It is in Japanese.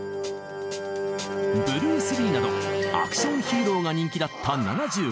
ブルース・リーなどアクション・ヒーローが人気だった７５年。